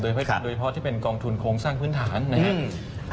โดยเฉพาะที่เป็นกองทุนโครงสร้างพื้นฐานนะครับ